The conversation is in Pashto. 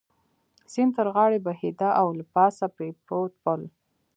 سیند تر غاړې بهېده او له پاسه پرې پروت پل.